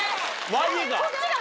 こっちが。